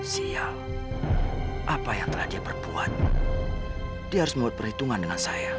siang apa yang telah dia berbuat dia harus membuat perhitungan dengan saya